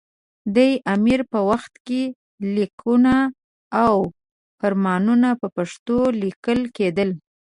دې امیر په وخت کې لیکونه او فرمانونه په پښتو لیکل کېدل.